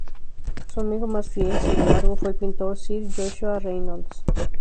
Su amigo más fiel, sin embargo, fue el pintor sir Joshua Reynolds.